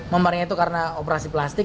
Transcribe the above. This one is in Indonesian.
memaringnya itu karena operasi plastik